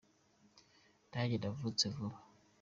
nanjye navutse vuba.